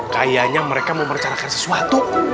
kayaknya mereka mau merencanakan sesuatu